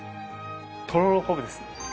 とろろ昆布ですね。